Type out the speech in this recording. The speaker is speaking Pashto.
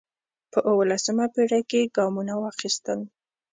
په اوولسمه پېړۍ کې یې ګامونه واخیستل